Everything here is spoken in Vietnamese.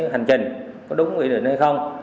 hành trình có đúng quy định hay không